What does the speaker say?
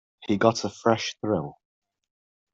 Here he got a fresh thrill.